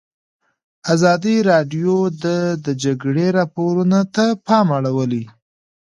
ازادي راډیو د د جګړې راپورونه ته پام اړولی.